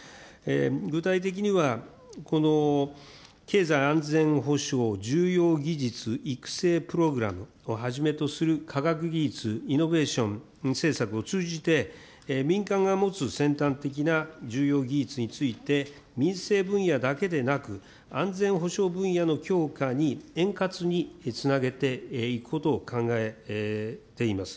具体的にはこの経済安全保障重要技術政策を育成プログラムをはじめとする科学技術、イノベーション通じて、民間が持つ先端的な重要技術について民生分野だけでなく、安全保障分野の強化に円滑につなげていくことを考えています。